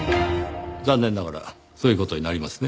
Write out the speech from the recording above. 残念ながらそういう事になりますね。